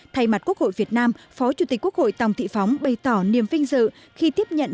thay mặt quốc hội việt nam phó chủ tịch quốc hội tòng thị phóng bày tỏ niềm vinh dự khi tiếp nhận